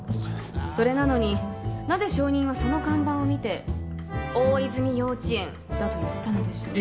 それなのになぜ証人はその看板を見て王泉幼稚園だと言ったのでしょうか